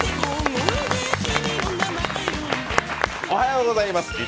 おはようございます